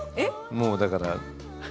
もうだから。